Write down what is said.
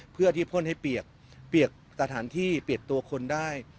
เพื่อที่พ่นให้เปียกเปียกสถานที่เปียกตัวคนได้